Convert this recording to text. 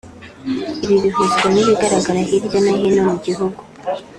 Ibi bihuzwa n’ibigaragara hirya no hino mu gihugu